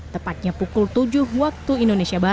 tepatnya pukul sepuluh pagi